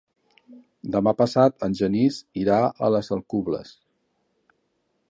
Demà passat en Genís irà a les Alcubles.